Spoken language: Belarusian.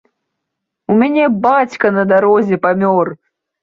У мяне бацька на дарозе памёр!